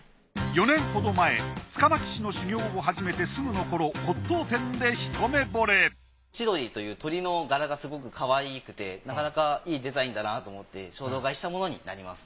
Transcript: ４年ほど前柄巻師の修行を始めてすぐの頃骨董店で一目ぼれ千鳥という鳥の柄がすごくかわいくてなかなかいいデザインだなと思って衝動買いしたものになります。